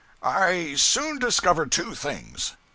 ]} I soon discovered two things.